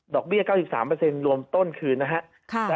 ดอกเบี้ย๙๓เปอร์เซ็นต์รวมต้นคืนนะครับ